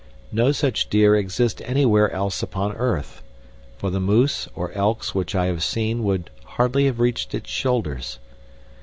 No such deer exist anywhere else upon earth, for the moose or elks which I have seen would hardly have reached its shoulders.